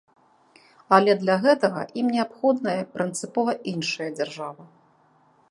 Але для гэтага ім неабходная прынцыпова іншая дзяржава.